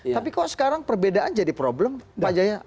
tapi kok sekarang perbedaan jadi problem pak jaya